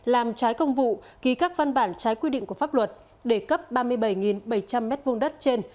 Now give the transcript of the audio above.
làm trái công vụ ký các văn bản trái quy định của pháp luật để cấp ba mươi bảy bảy trăm linh m hai đất trên